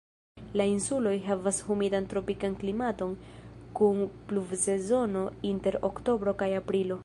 La insuloj havas humidan tropikan klimaton kun pluvsezono inter oktobro kaj aprilo.